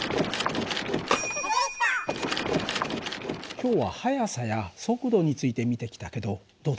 今日は速さや速度について見てきたけどどうだった？